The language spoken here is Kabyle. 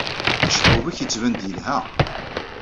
Acebbub-nnek yettban-d yelha.